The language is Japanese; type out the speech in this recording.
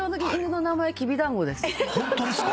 ホントですか！？